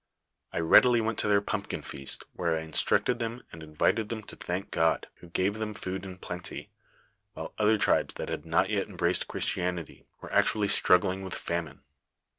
"I went readily to their pumpkin feast, where I instructed them, and invited them to thank God, who gave them food in plenty, while other tribes that had not yet embraced Christianity, were nctniilly stnijjf/ling with fiimine.